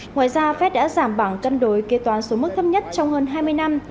ngoài ra fed đã giảm bảng cân đối kê toán số mức thấp nhất trong hơn hai mươi năm